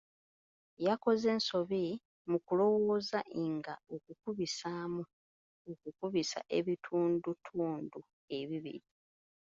Yakoze ensobi mu kulowooza nga okukubisamu okukubisa ebitundutundu ebibiri.